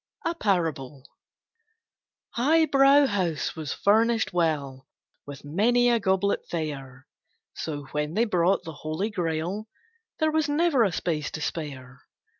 A PARABLE High brow House was furnished well With many a goblet fair; So when they brought the Holy Grail, There was never a space to spare.